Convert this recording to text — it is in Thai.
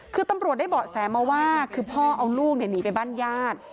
คือตำรวจได้เบาะแสมาว่าคือพ่อเอาลูกหนีไปบ้านญาติ